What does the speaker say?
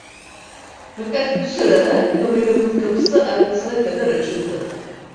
Fakat bu sırada kamaranın kapısı arkasına kadar açıldı.